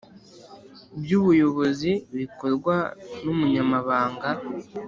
By’ ubuyobozi bikorwa n’ umunyamabanga